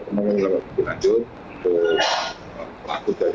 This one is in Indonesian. selamat siang pak dedy